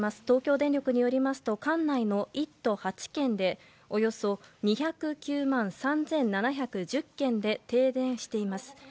東京電力によりますと管内の１都８県でおよそ２０９万３７１０軒で停電しています。